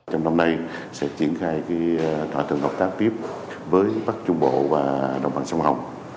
trong năm nay sẽ triển khai thỏa thuận hợp tác tiếp với bắc trung bộ và đồng bằng sông hồng